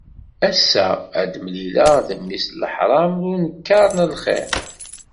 Ass-a ad d-mlileɣ d mmi-s n leḥṛam d unekkaṛ lxir.